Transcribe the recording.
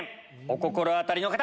お心当たりの方！